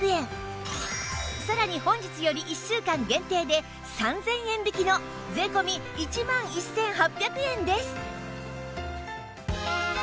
さらに本日より１週間限定で３０００円引きの税込１万１８００円です